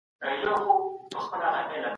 ښوونکی د زدهکوونکو د اخلاقو سمون ته کار کوي.